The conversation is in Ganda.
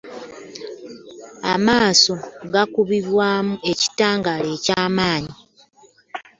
Amaaso gakukibwamu ekitangala ekyamanyi